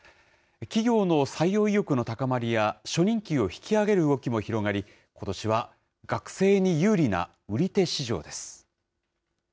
企業の採用意欲の高まりや、初任給を引き上げる動きも広がり、ことしは学生に有利な売手市場です。